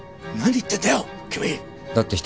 何言ってんだよ！